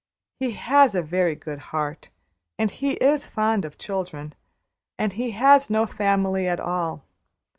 He has a very good heart, and he is fond of children and he has no family at all.